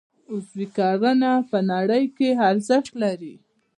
عضوي کرنه په نړۍ کې ارزښت لري